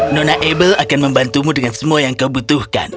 nona abel akan membantumu dengan semua yang kau butuhkan